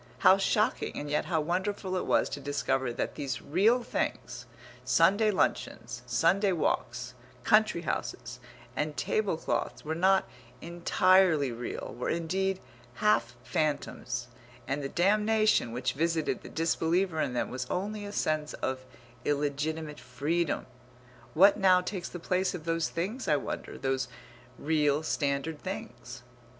How shocking, and yet how wonderful it was to discover that these real things, Sunday luncheons, Sunday walks, country houses, and tablecloths were not entirely real, were indeed half phantoms, and the damnation which visited the disbeliever in them was only a sense of illegitimate freedom. What now takes the place of those things I wonder, those real standard things?